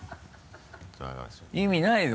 意味ないよ